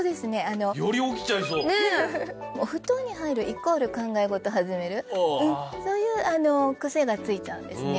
より起きちゃいそうお布団に入るイコール考えごとを始めるそういうクセがついちゃうんですね